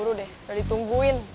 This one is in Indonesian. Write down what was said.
buru buru deh udah ditungguin